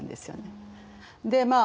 でまあ